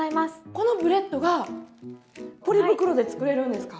このブレッドがポリ袋で作れるんですか？